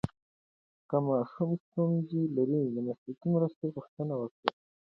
که ماشوم ستونزه لري، د مسلکي مرسته غوښتنه وکړئ.